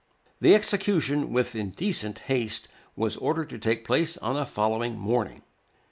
The execution, with indecent haste, was ordered to take place on the following morning.